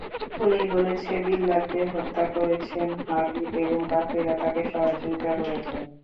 Police বলেছে, বিল্লালকে হত্যা করেছেন হাবিব এবং বাকিরা তাঁকে সহযোগিতা করেছেন।